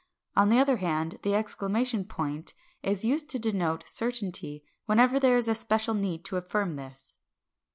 On the other hand the exclamation point (!) is used to denote certainty whenever there is special need to affirm this.